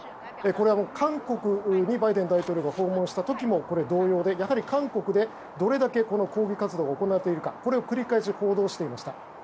これは韓国にバイデン大統領が訪問した時も同様でやはり韓国でどれだけ抗議活動が行っているか、これを繰り返し報道していました。